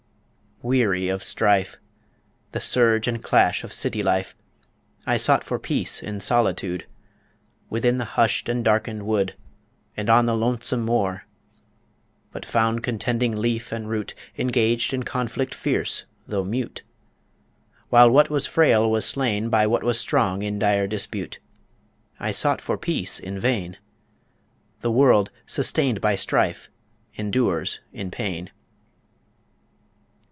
Weary of strife The surge and clash of city life I sought for peace in solitude, Within the hushed and darkened wood And on the lonesome moor But found contending leaf and root Engaged in conflict fierce though mute, While what was frail was slain By what was strong in dire dispute I sought for peace in vain! The world, sustained by strife, endures in pain.